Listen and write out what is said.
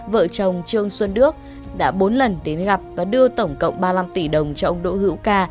vợ chồng trương xuân đức đã bốn lần đến gặp và đưa tổng cộng ba mươi năm tỷ đồng cho ông đỗ hữu ca